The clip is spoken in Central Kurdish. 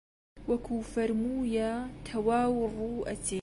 وەکوو فەرموویە تەواو ڕوو ئەچێ